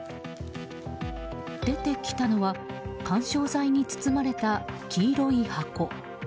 出てきたのは緩衝材に包まれた黄色い箱。